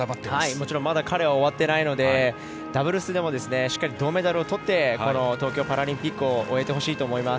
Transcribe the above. もちろんまだ彼は終わってないのでダブルスでもしっかり銅メダルをとってこの東京パラリンピックを終えてほしいと思います。